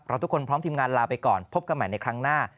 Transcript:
ทุกคนพร้อมทีมงานลาไปก่อนพบกันใหม่ในครั้งหน้า